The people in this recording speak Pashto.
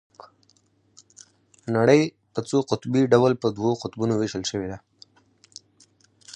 نړۍ په څو قطبي ډول په دوو قطبونو ويشل شوې ده.